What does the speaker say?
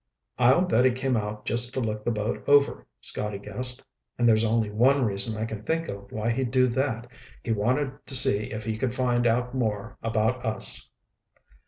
"I'll bet he came out just to look the boat over," Scotty guessed, "and there's only one reason I can think of why he'd do that. He wanted to see if he could find out more about us."